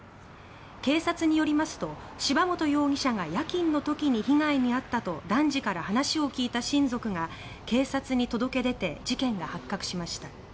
警察によりますと柴本容疑者が夜勤の時に被害に遭ったと男児から話を聞いた親族が警察に届け出て事件が発覚しました。